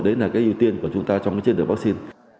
đấy là cái ưu tiên của chúng ta trong cái chiến lược vaccine